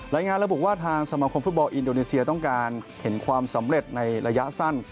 รายงานระบุว่าทางสมาคมฟุตบอลอินโดนีเซียต้องการเห็นความสำเร็จในระยะสั้น